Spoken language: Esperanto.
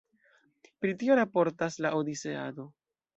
Pri tio raportas la Odiseado.